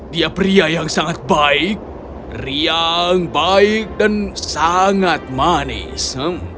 dia pria yang sangat baik riang baik dan sangat manis